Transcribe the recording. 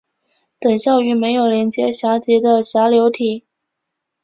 等效于没有连接闸极的闸流体。